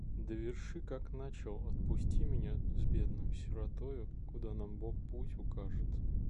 Доверши как начал: отпусти меня с бедною сиротою, куда нам бог путь укажет.